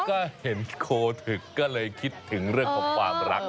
ก็เห็นโคทึกก็เลยคิดถึงเรื่องของความรัก